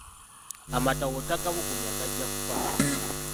Amata bw’otagabugumya gajja kufa.